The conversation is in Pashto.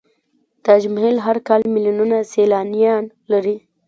تاج محل هر کال میلیونونه سیلانیان لري.